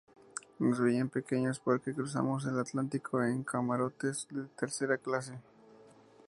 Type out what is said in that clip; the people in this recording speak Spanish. Nos veían pequeños porque cruzamos el Atlántico en camarotes de tercera clase.